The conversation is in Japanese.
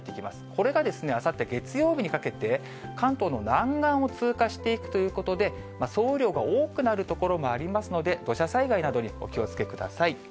これがですね、あさって月曜日にかけて、関東の南岸を通過していくということで、総雨量が多くなる所もありますので、土砂災害などにお気をつけください。